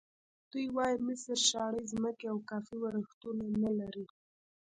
دوی وایي مصر شاړې ځمکې او کافي ورښتونه نه لري.